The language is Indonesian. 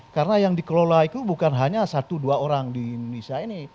karena yang dikelola itu bukan hanya satu dua orang di indonesia ini